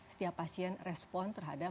setiap pasien respon terhadap